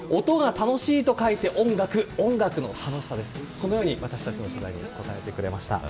このように、私たちの取材に答えてくれました。